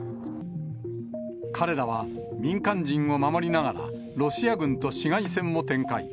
彼らは民間人を守りながら、ロシア軍と市街戦を展開。